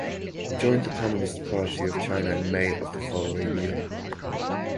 He joined the Communist Party of China in May of the following year.